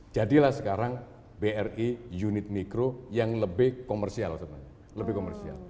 jadilah sekarang bri unit mikro yang lebih komersial